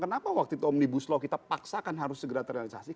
kenapa waktu itu omnibus law kita paksakan harus segera terrealisasi